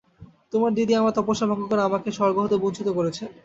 তোমার দিদি আমার তপস্যা ভঙ্গ করে আমাকে স্বর্গ হতে বঞ্চিত করেছেন।